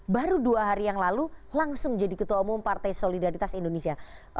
baru dua hari yang lalu langsung jadi ketua umum partai solidaritas indonesia